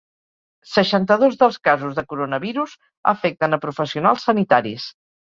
Seixanta-dos dels casos de coronavirus afecten a professionals sanitaris.